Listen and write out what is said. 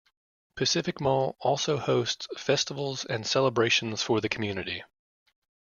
Pacific Mall also hosts festivals and celebrations for the community.